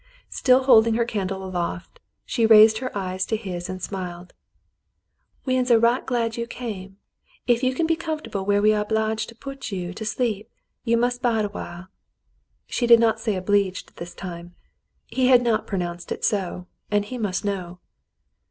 Still holding her candle aloft, she raised her eyes to his and smiled. *'We uns are right glad you came. If you can be comfortable where we are obliged to put you to sleep, you must bide awhile." She did not say " obleeged " this time. He had not pronounced it so, and he must know.